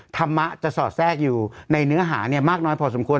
ธรรมะจะสอดแทรกอยู่ในเนื้อหามากน้อยพอสมควร